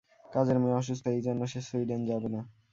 কাজের মেয়ে অসুস্থ, এই জন্যে সে সুইডেন যাবে না।